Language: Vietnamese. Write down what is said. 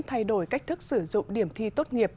thay đổi cách thức sử dụng điểm thi tốt nghiệp